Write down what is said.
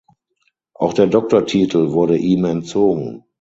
Auch der Doktortitel wurde ihm entzogen.